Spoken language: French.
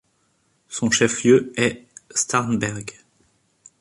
Son chef lieu est Starnberg.